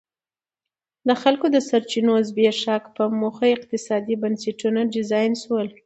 د خلکو د سرچینو زبېښاک په موخه اقتصادي بنسټونه ډیزاین شول.